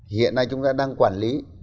hiện nay chúng ta đang quản lý